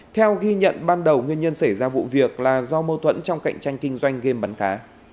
theo ghi nhận ban đầu nguyên nhân xảy ra vụ việc là do mâu thuẫn trong cạnh tranh kinh doanh game bắn cá